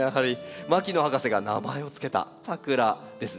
牧野博士が名前を付けたサクラですね。